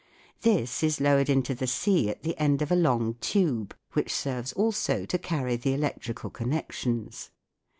This is lowered into the sea at the end of a long tube, which serves also to carry the electrical connec tions.